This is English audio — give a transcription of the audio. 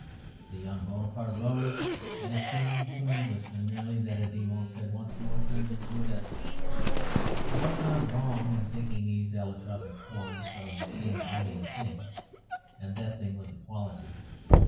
The young Bonaparte rose, and it seemed to an Englishman merely that a demos had once more turned into a despot. He was not wrong in thinking these allotropic forms of the same alien thing; and that thing was equality.